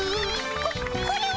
ここれは？